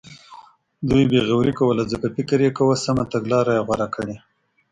دوی بې غوري کوله ځکه فکر یې کاوه سمه تګلاره یې غوره کړې.